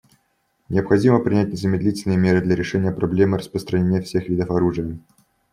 Необходимо принять незамедлительные меры для решения проблемы распространения всех видов оружия.